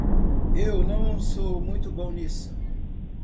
Eu não sou muito bom nisso.